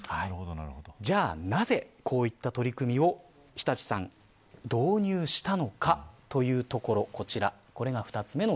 じゃあなぜこういった取り組みを日立さん導入したのかというところこちらです。